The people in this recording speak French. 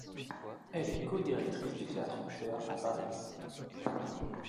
Elle est codirectrice du Théâtre Ouvert à Paris.